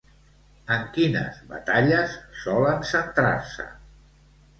En quines batalles solen centrar-se?